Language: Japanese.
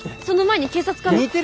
その前に警察かな？